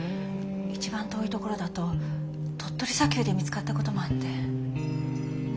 一番遠いところだと鳥取砂丘で見つかったこともあって。